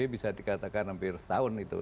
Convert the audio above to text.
bisa dikatakan hampir setahun itu